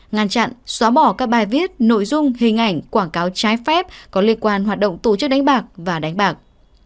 ngăn chặn xóa bỏ các bài viết nội dung hình ảnh quảng cáo trái phép có liên quan hoạt động tổ chức đánh bạc và đánh bạc